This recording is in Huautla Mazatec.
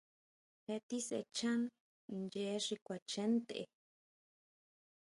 Je tisʼechan ʼyee xi kuachen ntʼe.